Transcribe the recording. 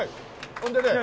ほんでね